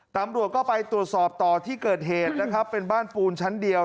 ตำรวจก็ไปตรวจสอบต่อที่เกิดเหตุนะครับเป็นบ้านปูนชั้นเดียว